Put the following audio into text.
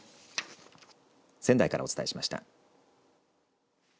仙台からお伝えしました。